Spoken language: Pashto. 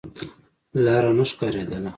لاره نه ښکارېدله.